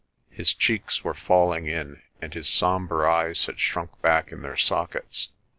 His cheeks were falling in and his sombre eyes had shrunk back in their sockets.